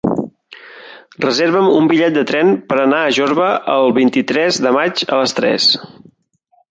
Reserva'm un bitllet de tren per anar a Jorba el vint-i-tres de maig a les tres.